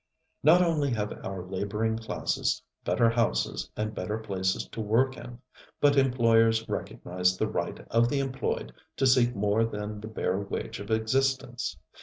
Not only have our laboring classes better houses and better places to work in; but employers recognize the right of the employed to seek more than the bare wage of existence.